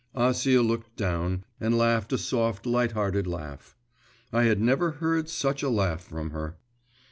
Acia looked down, and laughed a soft light hearted laugh; I had never heard such a laugh from her.